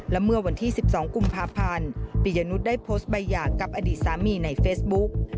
และเมื่อวันที่๑๒กุมภาพันธ์ปียนุษย์ได้โพสต์ใบหย่ากับอดีตสามีในเฟซบุ๊ก